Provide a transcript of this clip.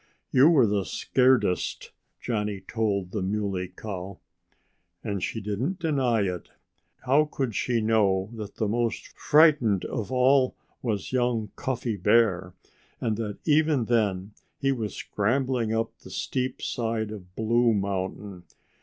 "You were the scaredest," Johnnie told the Muley Cow. And she didn't deny it. How could she know that the most frightened of all was young Cuffy Bear, and that even then he was scrambling up the steep side of Blue Mountain?